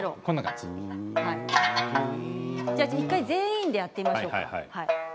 １回全員でやってみましょう。